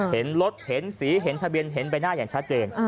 เห็นรถเห็นสีเห็นทะเบียนเห็นใบหน้าอย่างชัดเจน